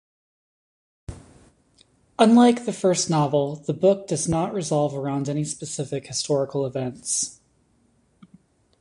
Unlike the first novel, the book does not revolve around any specific historical events.